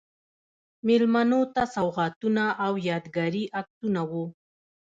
میلمنو ته سوغاتونه او یادګاري عکسونه و.